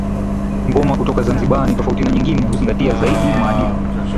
Ngoma kutoka Zanzibar ni tofauti na nyingine huzingatia zaidi maadili